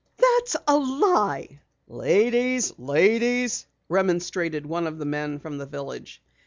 "That's a lie!" "Ladies! Ladies!" remonstrated one of the men from the village.